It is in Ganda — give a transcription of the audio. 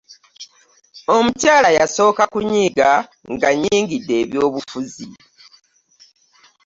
Omukyala yasooka kunyiiga nga nnyingidde ebyobufuzi.